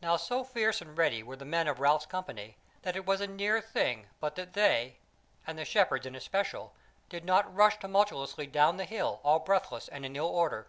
Now so fierce and ready were the men of Ralph's company that it was a near thing but that they, and the Shepherds in especial, did not rush tumultuously down the hill all breathless and in ill order.